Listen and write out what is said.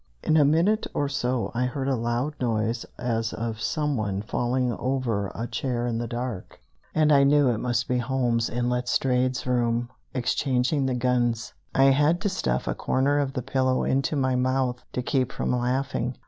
In a minute or so I heard a loud noise as of some one falling over a chair in the dark, and I knew it must be Holmes in Letstrayed's room, exchanging the guns. I had to stuff a corner of the pillow into my mouth to keep from laughing.